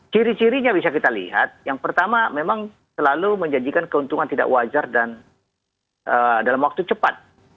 ciri cirinya bisa kita lihat yang pertama memang selalu menjanjikan keuntungan tidak wajar dan dalam waktu cepat